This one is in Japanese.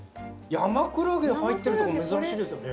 山クラゲ入ってるとこ珍しいですよね。